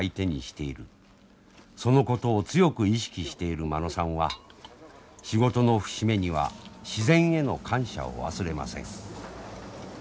そのことを強く意識している間野さんは仕事の節目には自然への感謝を忘れません。